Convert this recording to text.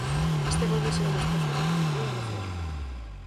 Este volve ser un espazo de cultura e lecer.